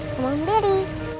sama om berry